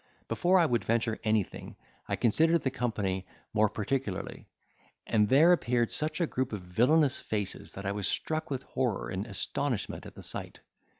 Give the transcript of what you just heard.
Before I would venture anything, I considered the company more particularly, and there appeared such a group of villanous faces, that I was struck with horror and astonishment at the sight!